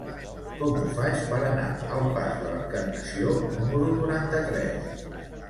Com ho faig per anar al pas de l'Encarnació número noranta-tres?